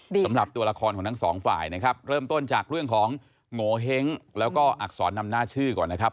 สำหรับตัวละครของทั้งสองฝ่ายนะครับเริ่มต้นจากเรื่องของโงเห้งแล้วก็อักษรนำหน้าชื่อก่อนนะครับ